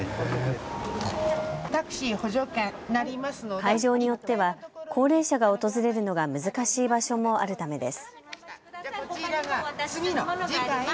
会場によっては高齢者が訪れるのが難しい場所もあるためです。